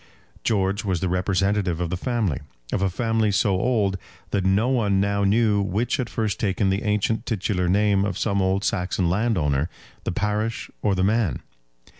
George was the representative of the family, of a family so old that no one now knew which had first taken the ancient titular name of some old Saxon landowner, the parish, or the man.